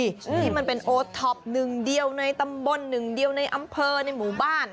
ที่มันเป็นโอท็อปหนึ่งเดียวในตำบลหนึ่งเดียวในอำเภอในหมู่บ้าน